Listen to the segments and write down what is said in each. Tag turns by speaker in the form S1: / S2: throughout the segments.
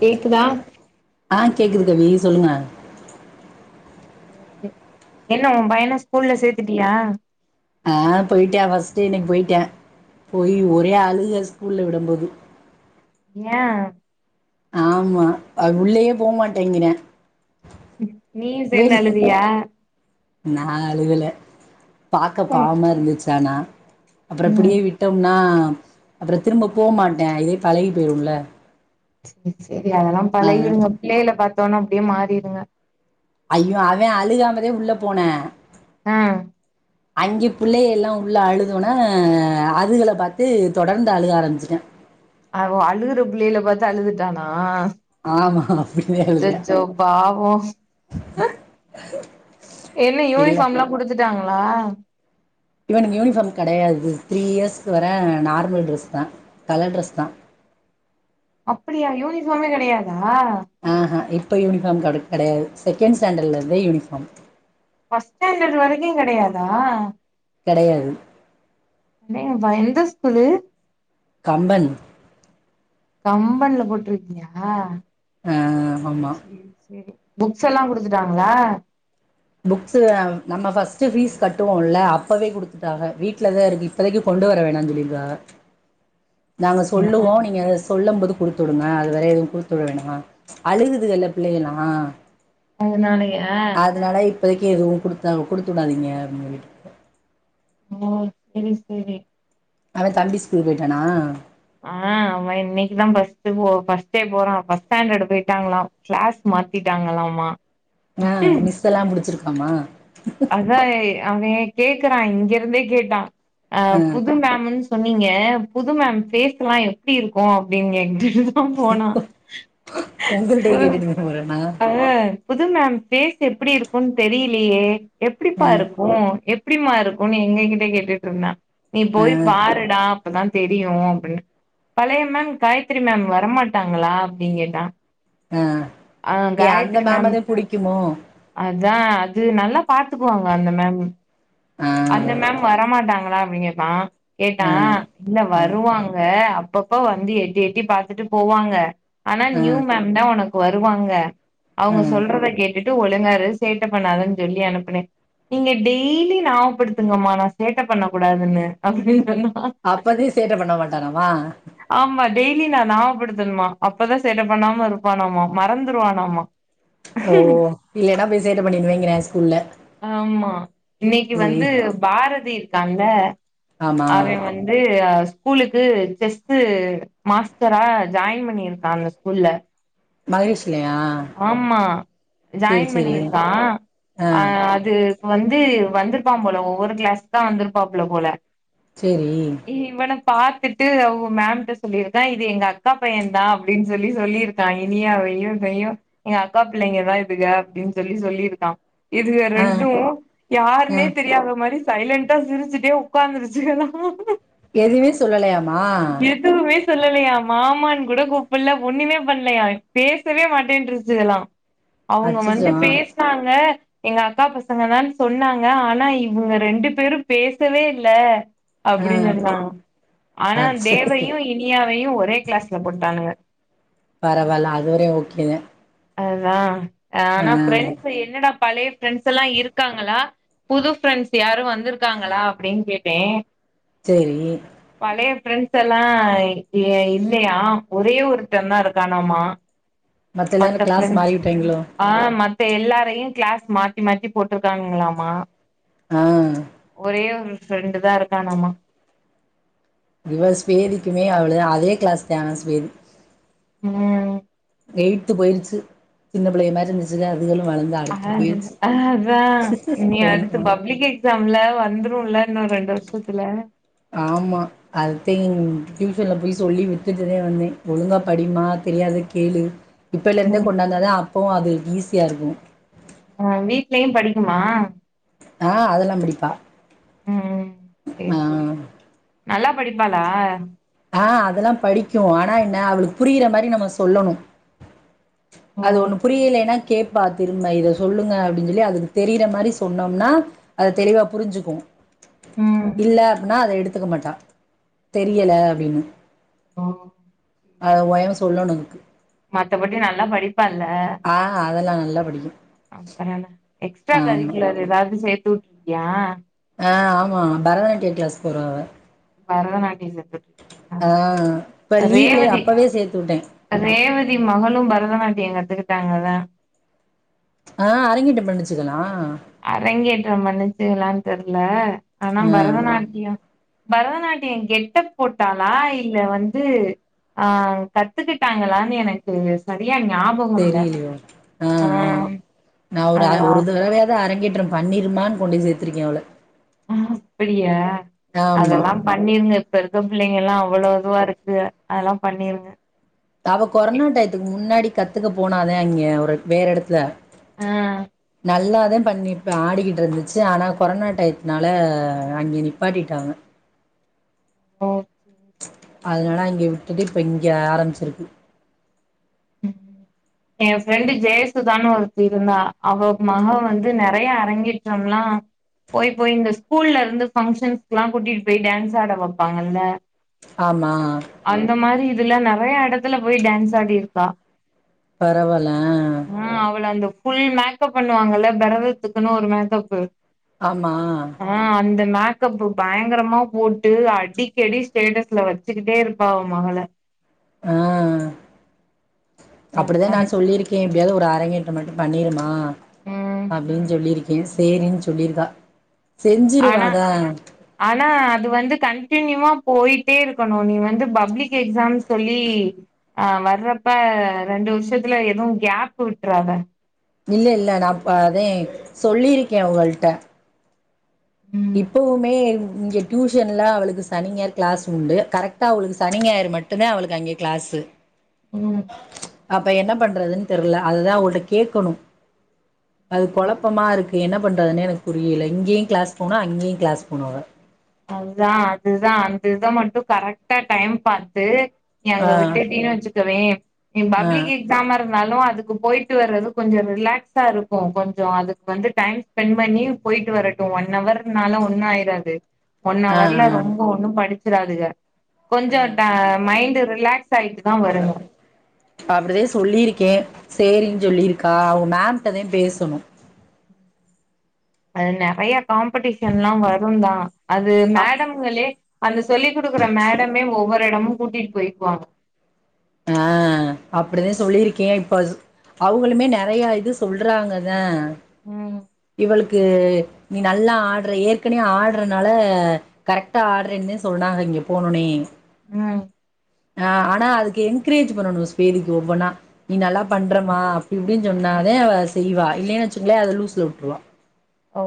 S1: கேக்குதா
S2: ஆஹ் கேக்குது கவி சொல்லுங்க
S1: என்ன உன் பைய்யன ஸ்கூல்ல சேத்துட்டியா
S2: ஆஹ் போயிட்டே ஃபஸ்ட்டே இன்னைக்கு போயிட்டே போயி ஒரே அழுக ஸ்கூல்ல விடும்போது
S1: ஏ
S2: ஆமா உள்ளயே போமாட்டேங்கிறெ
S1: நீயு சேர்ந்து அழுதியா
S2: நா அலுவல பாக்க
S1: ம்
S2: பாவமா இருந்துச்சு தனா அப்புறோ
S1: ம்
S2: இப்டியே விட்டம்னா அப்புறோ திரும்ப போ மாட்டே இதே பழகிபோயிருமல்ல
S1: சேரி செரி அதெல்லா பழகிருங்க பிள்ளைகள பாத் போனா அப்டியே மாறிருங்க
S2: ஐயோ அவன் அழுகாமத உள்ள போன
S1: ஆஹ்
S2: அங்கே பிள்ளைய எல்லா உள்ள அழுதொன்ன அதுகள பாத்து தொடர்ந்து அழுக ஆரம்பிச்சுட்டா
S1: அழுகுற புள்ளையகல பாத்து அழுதுட்டானா
S2: ஆமா அப்டிதா அழுதே
S1: அச்சச்சோ பாவோ என்ன
S2: இல்ல
S1: யூனிபார்ம் எல்லா புடிச்சி க்காங்ளா
S2: இவனுக்கு யூனிஃபார்ம் கெடையாது த்ரீ இயர்ஸ்க்கு வேர நார்மல் ட்ரெஸ்தா கலர் ட்ரெஸ்தா
S1: அப்படியா யூனிஃபார்மே கெடையாதா ஆஹ்
S2: ப்போயூனிபார்ம் கிடை கெடையாது செகண்ட்ஸ்டாண்டர்லருந்துதா யூனிஃபார்ம்
S1: பஸ்ட் ஸ்டாண்டர்ட் வரைக்கு கெடையாதா
S2: கிடையாது
S1: என் வயந்த ஸ்கூலு
S2: கம்பன்
S1: கம்பன்ல போட்டுருக்கீயா
S2: ஆ ஆமா
S1: சேரி சேரி புக்ஸ் எல்லாம் குடுத்துட்டாங்கலா
S2: புக்ஸ் நம்ம ஃர்ஸ்ட் ஃபீஸ் கட்டுவோம்ல்ல அப்பவே குடுத்துட்டாங்க வீட்லதான் இருக்கு இப்பதைக்கு கொண்டு வர வேணாம்னு சொல்லிருக்காங்க நாங்கள் சொல்லுவோம் நீங்க சொல்லும் போது குடுத்து விடுங்க அது வேற எதுவும் குடுத்து விட வேனா அழுகுதுல்ல பிள்ளைகல்லாம்
S1: அது நாளையா
S2: இப்பதைக்கும் எதுவும் கொடுத்தா கொடுத்து விடாதீங்கங்க அப்டினு
S1: ஹ சேரி சேரி
S2: அவன் தம்பி ஸ்கூல்க்கு போயிட்டானா
S1: ஆஹ் அவ இன்னைக்குதான் ஃபஸ்டு ஃபஸ்டே போறான் ஃபஸ்ட் ஸ்டாண்டர்ட் போயிட்டாங்களாம் கிளாஸ் மாத்திட்டாங்களாம்மா
S2: ஆஹ் மிஸ் எல்லாம் புடிச்சிருக் காமா
S1: அதா அவன் கேட்கிறான் இங்க இருந்தே கேட்டான்
S2: ஆ
S1: அஹ் புது மேம்மு சொன்னீங்க புது மேம் பேஸ் எல்லாம் எப்படி இருக்கும் அப்படின்ங்க கேட்டு ட்டுதான் போன
S2: உங்கள்ட்டயே
S1: புது
S2: கேட்டுட்டு போ போறேனா
S1: அ புது மேம் பேஸ் எப்படி இருக்கும்ன்னு தெரியலையே
S2: ஆ
S1: எப்படிப்பா இருக்கும் எப்படிமா இருக்கும் எங்ககிட்ட கேட்டுட்டு இருந்தா நீ
S2: ஆ
S1: போய் பாருடா அப்பதான் தெரியும் அப்படின்னு பழைய மேம் காயத்திரி மேம் வரமாட்டாங்களா அப்படிங்கேட்டா
S2: ஆ
S1: அ
S2: ஏ அந்த
S1: காயத்ரி மேம்
S2: மேமதா புடிக்குமோ
S1: அதா அது நல்லா பாத்துக்குவாங்க அந்த மேம்மு
S2: ஆ
S1: அந்த மேம் வரமாட்டாங்களா அப்டிங் கேப்பா
S2: ஆ
S1: கேட்டான் இல்ல
S2: ஆ
S1: வருவாங் க அப்பப்போ வந்து எட்டி எட்டி பாத்துட்டு போவாங்க ஆனா
S2: ஆ
S1: நியூ மேம் தா உனக் வருவாங்க
S2: ஆ
S1: அவங்க சொல்றத கேட் டுட்டு ஒழுங்க இரு சேட்ட பண்ணாதன்னு சொல்லி அனுப்புனே நீங்க டெய்லி ஞாபகபடுத்துங்கம்மா நா சேட்ட பண்ணக்க கூடாதுன்னு அப்டின்னு சொன்னா
S2: அப்பத சேட்ட பண்ண மாட்டாரு அஹ மா
S1: ஆமா டெய்லி நா ஞாபப்படுத்தணுமா அப்பதா சேட்ட பண்ணாம இருப்பானமா மறந்துருவானமா
S2: ஓ இல்லனா பேச சேட்ட பண்ணிருவீங்க ஸ்கூல்ல
S1: ஆமா இன்னிக்கு
S2: சேரி
S1: வந்து பாரதி அந்த
S2: ஆமா
S1: அவ வந்து ஹாஸ் ஸ்கூலுக்கு செஸ்ட்டு மாஸ்டரா ஜாயின் பண்ணிருக்கா அந்த ஸ்கூல்ல
S2: ஹரிஷ்
S1: ஆமா
S2: சேரி
S1: ஜாயின்
S2: சேரி
S1: பண்ணியிருக்கா
S2: ஆ
S1: அ அது வந்து வந்திருப்பா போல ஒவ்வொரு கிளாஸ் தா வந்திருப்புல போல போல
S2: செரி
S1: இவன பாத்துட்டு அவங்க மேம்ட்ட சொல்லியிருக்கா இது எங்க அக்கா பையன் தா அப்டின்னு சொல்லி சொல்லியிருக்கா இனியாவையு [unintelligible] எங்க அக்கா பிள்ளைங்கதா இதுங்க அப்டின்னு சொல்லி சொல்லியிருக்கா இதுங்க
S2: ஆ
S1: ரெண்டு
S2: ஆ
S1: யாருன்னே தெரியாத மாரி சைலண்டா சிரிச்சுட்டே உக்காந்துருச்சு
S2: எதும சொல்லலியாமா
S1: மாமானு கூட கூப்பிட்ல ஒண்ணுமே பண்ணலையா பேசவே மாட்டேன்னுறுசா சகலா அவங்க வந்து
S2: அச்சச்சோ
S1: பேசனாங்க எங்க அக்கா பசங்க தா சொன்னாங்க ஆனா இவங்க ரெண்டு பேரு பேசவே இல்ல
S2: ஆ
S1: அப்டின்னு சொல்லிட்டாங்க ஆனா
S2: அச்ச
S1: தேவ்வையு இனியாவையு ஒரே கிளாஸ்ல போட்டானுங்க
S2: பரவால்ல அது வரையு ஓகேங்க
S1: அதா
S2: ஆ
S1: ஆனா ஃப்ரெண்ட்ஸ் என்னடா பழைய ஃப்ரெண்ட்ஸ் எல்லா இருக்காங்களா புது ஃப்ரெண்ட்ஸ் யாரும் வந்திருக்காங்களா அப்டின்னு கேட்டே
S2: செரி
S1: பழைய ஃப்ரெண்ட்ஸ் எல்லா இல்லையா ஒரே ஒருத்தன் தா இருக்கானமா
S2: மத்த எல்லாரு கிளாஸ் மாறிவிட்டாங்களோ
S1: இப்ப எல்லாரையு கிளாஸ் மாத்தி மாத்தி போட்டிருக்காங்களாமா
S2: ஆஹ்
S1: ஃப்ரெண்டு தா இருக்கானாமா
S2: இவ ஸ்வேதிக்குமே அவ்ளோதா அதே கிளாஸ் தா ஸ்வேதி
S1: உம்
S2: எயி்த்து போயிருச்சு சின்ன பிள்ளைக மாரி இருந்துச்சுக்க
S1: அ அதா நீ அடுத்து
S2: ம்
S1: பப்ளிக் நம்ள வந்துருல இன்னு ரெண்டு வருஷத்துல
S2: ஆமா அடுத்த டியூஷன்ல போய் சொல்லி விட்டுதுட்டுதே வந்தே ஒழுங்கா படிமா தெரியாத கேளு இப்பல
S1: ம்
S2: இருந்தே கொண்டாந்தா தா அப்போவு அது ஈசி தியா இருக்கு
S1: ஆ வீட்லயு படிக்குமா
S2: ஆ அதெல்லா படிப்பா
S1: ம் சேரி
S2: ஆ
S1: சேரி நல்லா படிப்பாலா
S2: ஆ அதெல்லா படிக்கு ஆனா என்ன அவளுக்கு புரியிற மாரி நம்ம சொல்லணு
S1: ஓ
S2: அது ஒண்ணு புரியலேனா கேப் பா திரும்ப இத சொல்லுங்க அப்டின் சொல்லி அதுக்கு தெரியிற மாரி சொன்னோம்னா அத தெளிவா புரிஞ்சுக்கு
S1: ம்
S2: இல்ல அப்டின்னா அத எடுத் த்துக்க மாட்டா தெரியல அப்டின்னு
S1: ஆ
S2: அத ஒயாம சொல்லனு அதுக்கு
S1: மத்தபடி நல்லா படி
S2: ஆ அதெல்லா நல்லா நல்லா படிக்கு
S1: அப்ற என்ன எக்ஸ்ட்ரா
S2: ஆமா
S1: கரிகுலர் ஏதாவது சேத் ட்டுருக்கியா
S2: ஆ ஆமா பரதநாட்டிய கிளாஸ் போறா அவ
S1: பரதநாட்டியம் ச
S2: ஆ இப்ப லீவ்லயே அப்பவே சேத்து வுட்டே
S1: எ மகளும் பரதநாட்டிய கத்துக்கிட்டாங்களா
S2: ஆ அரங்கிட்டு பண்ணிச்சுக்கலா
S1: அரங்கேற்ற பண்ணு இதுகளான் தெர் ல ஆனா
S2: ஆ
S1: பரதநாட்டியம் பரதநாட்டிய கெட்டப் போட்டாளா இல்ல வந்து ஆ கத்துக்கிட்டாங்களானு எனக்கு ஞாபகோ இல்ல
S2: தெரிலியோ ஆ ஆ நா ஒரு
S1: அதா
S2: ஒரு தடவயாது அரங்கேற் றம் பண்ணிருமானு கொண்டே சேத்ருக்கே அவள
S1: ம் அப்டியா
S2: ஆமா
S1: அதெல்லா பண்ணிருங்க இப்பருக்க புள்ளைங்கெல்லா அவ்ளோ அதுவாருக்கு அதுலா பண்ணிருங்க
S2: அவ கொரோனா டைத்துக்கு முன்னாடி கத்துக்க போனாதா அங்யே ஒரு வேற எடத்துல
S1: அ
S2: நல்லாதா பண்ணி‌ இப்ப ஆடிக்கிட்ருந்துச்சு ஆனா கொரனா டைத்னால அங்கே நிப்பாட்டிட்டாங்க
S1: ஆ
S2: அதுனால அங்க விட்டுட்டு இப்ப இங்க ஆரம்பிச்சிருக்கு
S1: ம் ஏ ஃப்ரெண்டு ஜெயசுதானு ஒருத்தி இருந்தா அவ மக வந்து நெறய அரங்கேற்றம்லா போய் போய் இந்த ஸ்கூல்லருந்து ஃபங்ஷன்ஸ்க்ளா கூட்டிட்டு போய் டான்ஸ் ஆட வப்பாங்கல்ல
S2: ஆமா
S1: அந்த மாரி இதுல நெறையா எடத்துல போய் டான்ஸ் ஆடிருக் கா
S2: பரவாயில்ல ஆ
S1: அந்த ஃபுல் மேக்கப் பண்ணுவாங்கல்ல பரதத்துக்குன்னு ஒரு மேக்கப்பு
S2: ஆமா
S1: ஆ அந்த மேக் ப்பு பயங்கரமா போட்டு அடிக்கடி ஸ்டேட்டஸ்ல வச்சுக்கிட்டே இருப்பா அவ மகள
S2: அப்டிதா
S1: அதெல்லா
S2: நா சொல்லிருக்கே எப்டியாவது ஒரு அரங்கேற்றம் மட்டு பண்ணிருமா
S1: ம்
S2: அப்டினு சொல்லிருக் இது சேரின்னு சொல்லிருக்கா
S1: ஆனா ஆனா அது வந்து கன்ட்னியூவா போயிட்டே இருக்கனு நீ வந்து பப்ளிக் எக்ஸாம் சொல்லி அஆ வர்றப்ப ரெண்டு வருஷத்துல எதுவு கேப் விட்றாத
S2: இல்ல இல்ல நா அதே சொல்லிருக்கே அவுங்கள்ட்ட
S1: ம்
S2: இப்போவுமே இங்க டியூஷன்லா அவளுக்கு சனி ஞாயிறு க்ளாஸ் உண்டு கரெக்டா அவளுக்கு சனி ஞாயிறு மட்டுந்தா அவளுக்கு அங்க க்ளாஸு
S1: ம்
S2: அப்ப என்ன பண்றதுன்னு தெர்ல அதுதா அவுங்கள்ட்ட கேக்கனு அது கொழப்பமா இருக்கு என்ன பண்ணுறதுனே எனக்கு புரியில இங்கயு க்ளாஸ் போணு அங்கியு க்ளாஸ் போணு அவ
S1: அதுதா அதுதா அந்த இத மட்டு கரெக்டா டைம் பாத்து நீ
S2: ஆ
S1: அங்க விட்டுடீன்னு வச்சு க்கவே நீ
S2: ஆ
S1: பப்ளிக் எக்ஸாம இரு னாலும் அதுக்கு போயிட்டு வர்றது கொஞ்சம் ரிலாக்ஸா இருக்கும் கொஞ்சம் அதுக்கு வந்து டைம் ஸ்பெண்ட் பண்ணி போயிட்டு வரட்டும் ஒன்னவர்னால ஒண்ணும் ஆயிராது
S2: ஆ
S1: ஒன்னவர்ல ரொம்ப
S2: ஆ
S1: ஒண்ணும் படிச் ச்சிராதுக
S2: ஆ
S1: கொஞ்சம் ட மைண்டு ரிலாக்ஸ் ஆயிட்டு தான் வருங்க
S2: அப்டிதே சொல்லியிருக்கே சேரின்னு
S1: ம்
S2: சொல்லியிருக்கா அவங்க மேம்ட்டதே பேசணும்
S1: அது நெறைய காம்படீஷன்லாம் வரும் தான் அது
S2: அ
S1: மேடம்ங்களே அந்த சொல்லி் குடுக்குற மேடமே ஒவ்வொரு எடமு கூட்டிட்டு போயிக்குவாங்க
S2: ஆஹ் அப்டிதா சொல்லியிருக்கே இப்ப அவங்களுமே நெறைய இது சொல்றாங்கதா
S1: ம்
S2: இவளுக்கு நீ நல்லா ஆட்ர ஏற்கனைய ஆட்றனால கரெக்டா ஆட்ருன்னு சொன்னாங்க இங்க போனுனே
S1: உம்
S2: ஆஹ் ஆனா அதுக்கு என்கரேஜ் பண்ணணு ஸ்வேதிக்கு ஒவ்வொன்னா நீ நல்லா பண்றமா
S1: ஆ
S2: அப்டி இப்டின்னு
S1: ஆ
S2: சொன்னாதா அவ செய்வா இல்லேன்னு வெச்சுங்களோ அத லூஸ்சுல விட்டுருவா
S1: ஓ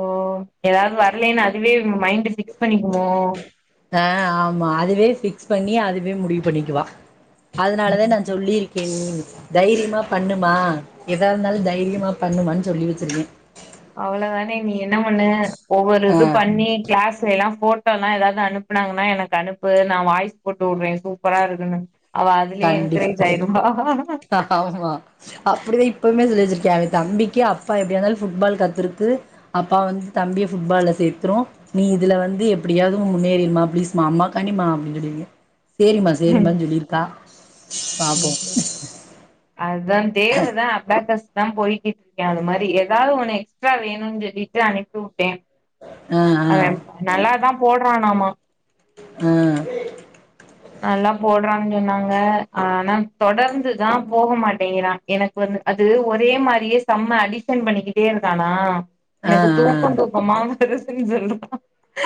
S1: எதாவ்து வரலன்னு அதுவே மைண்ட் ஃபிக்ஸ் பண்ணிக்குமோ
S2: ஆஹ் ஆமா அதுவே ஃபிக்ஸ் பண்ணி அதுவே முடிவு பண்ணிக்குவா அதனால தா நா சொல்லி தைரியமா பண்ணுமா ஏதா இருந்தாலு தைரியமா பண்ணுமான்னு சொல்லி வெச்சிருக்கே
S1: அவ்ளவுதானே நீ என்ன பண்ணு ஒவ்வொரு
S2: ஆ
S1: இது பண்ணி கிளாஸ்ல எல்லா போ ஃபோட்டலா ஏதாவது அனுப்புனாங்கன்னா எனக்கு அனுப்பு நா வாய்ஸ் போட்டு வுடுறே சூப்பரா இருக்குணு
S2: கண்டிப்பா ஆமா அப்டிதா இப்பவுமே சொல்லிச்சு வே தம்பிக்கு அப்பா எப்படிய இருந்தாலும் ஃபுட்பால் கத்துருக்கு அப்பா வந்து தம்பிய ஃபுட்பால்ல சேர்த்துரு நீ இதுல வந்து எப்பிடியாவது முன்னேறிருமா பிளீஸ்மா அம்மாக்கனிமா அப்டி சொல்லிருக்கே சேரிம்மா சேரிம்மா சொல்லிருக் த
S1: சரி,
S2: பாப்போ
S1: தேவதா அபெகஸ் தா போயிட்டு இருக்க அது மாரி எதாவ்து ஒன்னு எக்ஸ்ட்ரா வேணும்ன்னு சொல்லிட்டு அனுப்பி வுட்டே
S2: ஆ ஆ
S1: அத நல்லாதா போட வேணாமா
S2: ஆ
S1: நல்லா போடறான் சொன்னாங்க ஆனா தொடர்ந்துதா போக மாட்டேங்கிறா எனக்கு வந்து அது ஒரே மாரியே சம்ம அடிஷன் பண்ணிகிட்டே இருக்கானா
S2: ஆ
S1: எனக்கு
S2: ஆ
S1: தூக்கந் தூக்கமா வருதுன் சொல்றா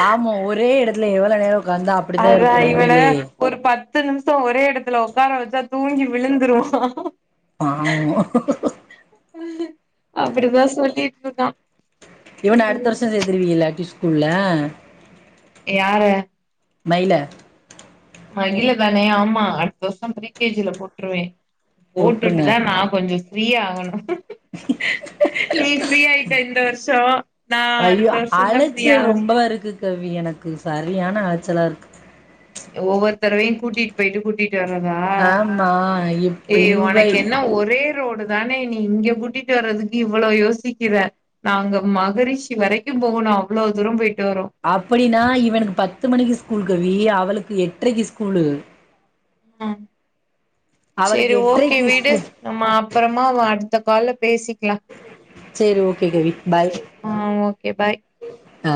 S2: ஆமா ஒரே எடத்துல இவள நேர உக்காந்தா அப்படிதா
S1: அதா
S2: இருக்கு
S1: இவன
S2: உண்மயிலயே
S1: ஒரு பத்து நிமிஷ ஒரே எடத்துல உக்கார வெச்சா தூங்கி விழுந்துருவா
S2: பாவோ
S1: அப்படிதா சொல்லிட்ருக்கா
S2: இவன அடுத்த வருஷ சேத்துருவிங்களா டியூ ஷன்ல
S1: யார
S2: மயில
S1: மகில தான ஆமா அடுத்த வருஷ ப்ரீ கே ஜி ல போட்ருவே
S2: போட்ருங்க
S1: போட்டுட்டுதா நா கொஞ்ச ஃப்ரீ ஆகணு நீ ஃப்ரீ ஆயிட்ட இந்த வருஷோ நா
S2: ஐயோ
S1: அடுத்த வருஷந்தா
S2: அலைச்சல்
S1: ஃப்ரீயாகனு
S2: ரொம்ப இருக்கு கவி எனக்கு சரியான அலச்சலா இருக்கு
S1: தரவையு கூட்டிட்‌ பேய்ட்டு கூட்டிட் டு வரதா
S2: ஆமா இப்ப
S1: ஏய்
S2: இவக
S1: ஒனக்கு என்ன ஒரே ரோடு தானே நீ இங்க கூட்டிட்டு வர்றதுக்கு இவ்வளோ யோசிக்கிற நாங்க மகரிஷி வரைக்கு போகணு அவ்ளோ தூர போயிட்
S2: அப்படினா இவனுக்கு பத்து மணிக்கு ஸ்கூல் கவி அவ அவளுக்கு எட்ரைக்கு ஸ்கூலு
S1: ம்
S2: அவளுக்கு
S1: சேரி ஓகே
S2: எட்டரைக்கு
S1: விடு
S2: ஸ்கூல்
S1: நம்ம அப்பறமா அடு த்த கால்ல பேசி
S2: சேரி ஓகே கவி பாய்
S1: ஆ ஓகே பாய்
S2: ஆ